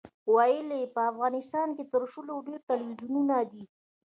ویل یې په افغانستان کې تر شلو ډېر تلویزیونونه دي.